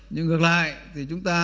nhưng ngược lại thì chúng ta